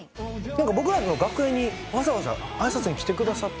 僕らの楽屋にわざわざ挨拶に来てくださって。